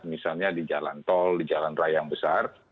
misalnya di jalan tol di jalan raya yang besar